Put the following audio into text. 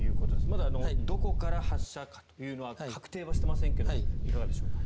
まだどこから発射かというのは確定していませんがいかがでしょうか？